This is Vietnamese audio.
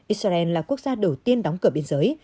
israel là quốc gia đầu tiên đóng cửa biên giới